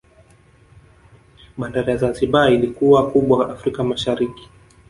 Bandari ya Zanzibar ilikuwa kubwa Afrika Mashariki